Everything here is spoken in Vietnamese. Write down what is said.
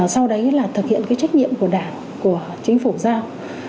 sau đấy là thực hiện cái trách nhiệm của đảng của chính phủ giao